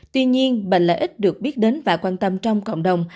tuy nhiên bệnh lợi ích được biết đến và quan tâm trong cộng đồng